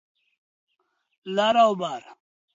لر او بر